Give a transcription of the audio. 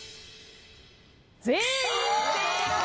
全員正解。